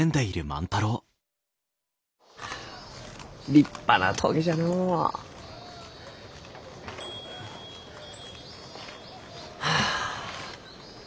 立派なトゲじゃのう。はあ。